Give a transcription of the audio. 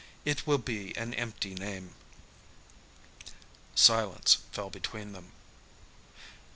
It will be an empty name." Silence fell between them.